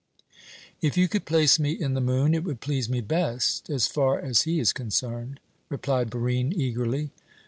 "If you could place me in the moon, it would please me best, as far as he is concerned," replied Barine eagerly.